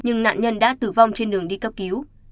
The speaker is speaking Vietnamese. nhưng nạn nhân đã tử vong trên đường đi cấp cứu